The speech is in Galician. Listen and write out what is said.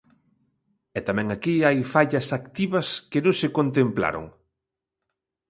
E tamén aquí hai fallas activas que non se contemplaron.